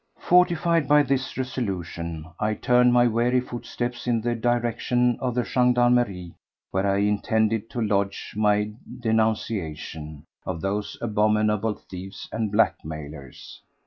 Fortified by this resolution, I turned my weary footsteps in the direction of the gendarmerie where I intended to lodge my denunciation of those abominable thieves and blackmailers.